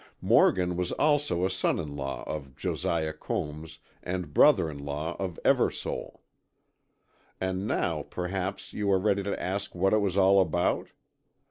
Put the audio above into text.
Morgan was also a son in law of Josiah Combs and brother in law of Eversole. And now, perhaps, you are ready to ask what it was all about?